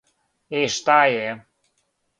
И шта је?